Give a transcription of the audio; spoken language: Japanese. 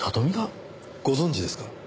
ご存じですか？